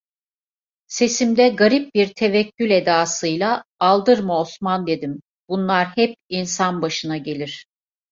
Sesimde garip bir tevekkül edasıyla: "Aldırma Osman" dedim, "bunlar hep insan başına gelir."